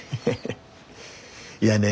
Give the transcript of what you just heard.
いやねえ